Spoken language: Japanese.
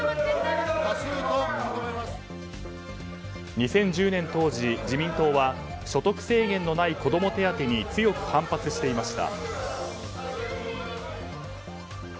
２０１０年当時、自民党は所得制限のない子ども手当に強く反発していました。